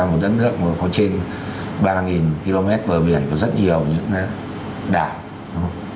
một đất nước có trên ba km bờ biển có rất nhiều những đảo